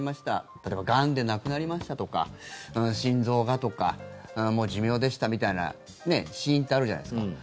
例えばがんで亡くなりましたとか心臓がとかもう寿命でしたみたいな死因ってあるじゃないですか。